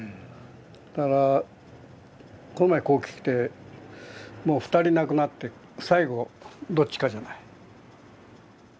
だからこの前ここ来てもう２人亡くなって最後どっちかじゃない？